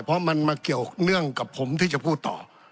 เพราะมันมาเกี่ยวเนื่องกับผมที่จะพูดต่อ